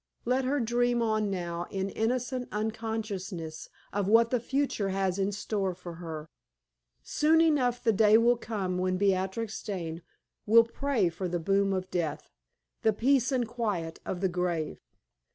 let her dream on now in innocent unconsciousness of what the future has in store for her. Soon enough the day will come when Beatrix Dane will pray for the boon of death, the peace and quiet of the grave!